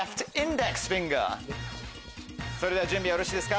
それでは準備よろしいですか？